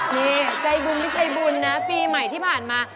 นี่ใจบุญนี่ใจบุญนะปีใหม่ที่ผ่านมา